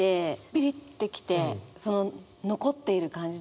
ビリッて来てその残っている感じ。